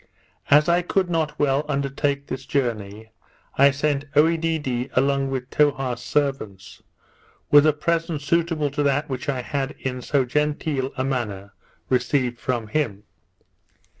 As I could not well undertake this journey, I sent Oedidee along with Towha's servants, with a present suitable to that which I had in so genteel a manner received from him.